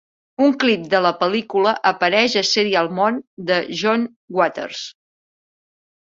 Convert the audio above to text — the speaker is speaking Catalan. Un clip de la pel·lícula apareix a "Serial Mom" de John Waters.